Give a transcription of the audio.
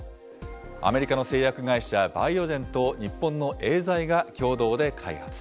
アメリカの製薬会社、バイオジェンと、日本のエーザイが共同で開発。